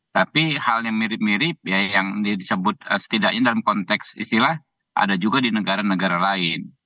tapi halnya mirip mirip yang disebut setidaknya dalam konteks istilah ada juga di negara negara lain